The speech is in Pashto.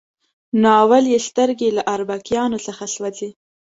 نو اول یې سترګې له اربکیانو څخه سوځي.